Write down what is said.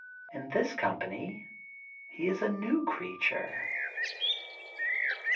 In this com pany he is a new creature.